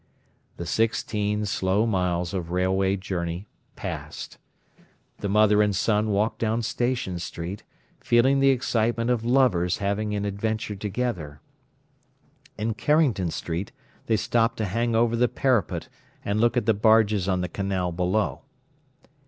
The sixteen slow miles of railway journey passed. The mother and son walked down Station Street, feeling the excitement of lovers having an adventure together. In Carrington Street they stopped to hang over the parapet and look at the barges on the canal below.